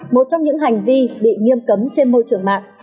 một trong những hành vi bị nghiêm cấm trên môi trường mạng